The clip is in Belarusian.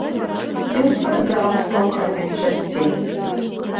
І ў спартзалу стаў хадзіць часцей.